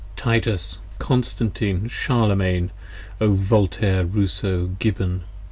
60 7s Titus! Constantine! Charlemaine! O Voltaire! Rousseau! Gibbon!